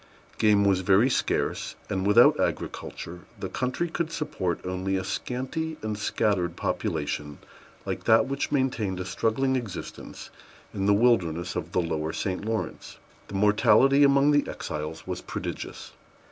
Game was very scarce; and, without agriculture, the country could support only a scanty and scattered population like that which maintained a struggling existence in the wilderness of the lower St. Lawrence. The mortality among the exiles was prodigious.